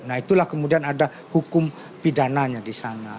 nah itulah kemudian ada hukum pidananya di sana